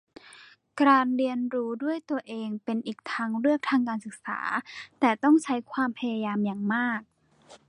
การเรียนรู้ด้วยตัวเองเป็นอีกทางเลือกทางการศึกษาแต่ต้องใช้ความพยายามอย่างมาก